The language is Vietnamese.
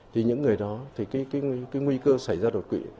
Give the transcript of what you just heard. thì những người đó thì cái nguy cơ xảy ra đột quỵ